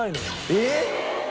えっ！？